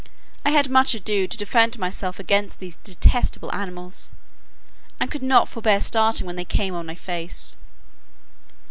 I had much ado to defend myself against these detestable animals, and could not forbear starting when they came on my face.